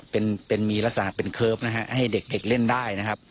เป็นมีลักษณะเป็นเคิร์ฟให้เด็กเล่นได้